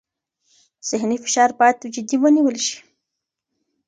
ذهني فشار باید جدي ونیول شي.